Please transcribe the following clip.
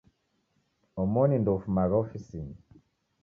Omoni ndoufumagha ofisinyi.